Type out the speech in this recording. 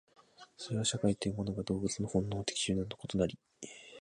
それは社会というものが動物の本能的集団と異なり、